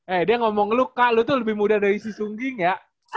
eh dia ngomong lu kak lu tuh lebih muda dari si sungging ya